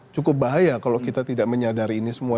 cukup bahaya kalau kita tidak menyadari ini semua